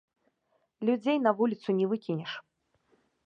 Людзей на вуліцу не выкінеш.